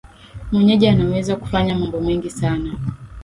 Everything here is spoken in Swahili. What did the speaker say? mwenyeji anaweza kufanya mambo mengi sana